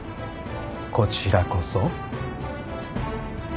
こちらこそ。